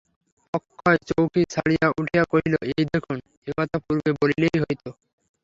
অক্ষয় চৌকি ছাড়িয়া উঠিয়া কহিল, এই দেখুন, এ কথা পূর্বে বলিলেই হইত।